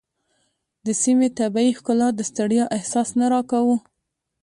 د سیمې طبیعي ښکلا د ستړیا احساس نه راکاوه.